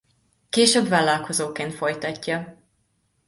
Később vállalkozóként folytatja.